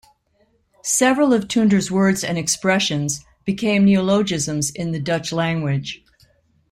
Several of Toonder's words and expressions became neologisms in the Dutch language.